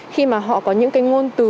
khi mà họ có những ngôn từ